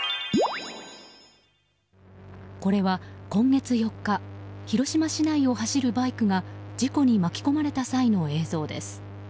これは今月４日広島市内を走るバイクが事故に巻き込まれた際の映像です。